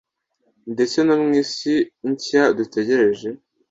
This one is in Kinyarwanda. ndetse no mu isi nshya dutegereje